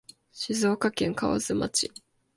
静岡県河津町